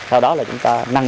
sau đó là chúng ta năng năng